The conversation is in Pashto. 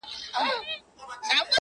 تصور کولای سوای -